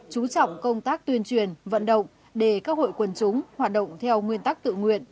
chú trọng công tác tuyên truyền vận động để các hội quần chúng hoạt động theo nguyên tắc tự nguyện